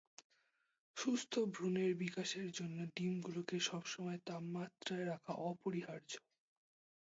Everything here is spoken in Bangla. সুস্থ ভ্রূণের বিকাশের জন্য ডিমগুলোকে সবসময় তাপমাত্রায় রাখা অপরিহার্য।